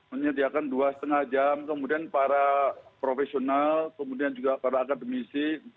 menyediakan dua lima jam kemudian para profesional kemudian juga para akademisi